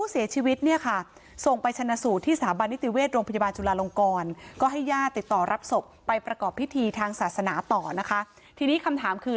สาธารณาต่อนะคะทีนี้คำถามคือ